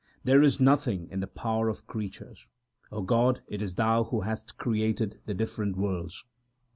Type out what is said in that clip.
There is nothing in the power of creatures ; God, it is Thou who hast created the different worlds.